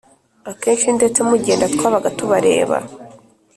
Akenshi ndetse mugenda Twabaga tubareba